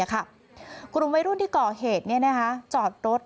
กลุ่มวัยรุ่นที่ก่อเหตุจอดรถ